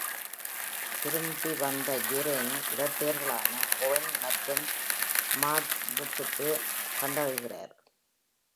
திரும்பி வந்த Urien, இரட்டையர்களான Owain மற்றும் Morfuddஐக் கண்டறிகிறார்.